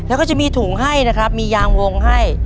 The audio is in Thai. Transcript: แล้วก็จะมีถุงให้นะครับมียางวงให้